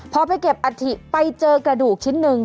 พอไปเก็บอัฐิไปเจอกระดูกชิ้นหนึ่ง